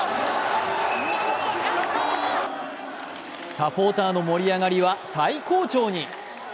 サポーターの盛り上がりは最高潮に。